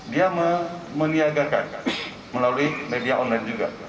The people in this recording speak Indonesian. dia meniagakan melalui media online juga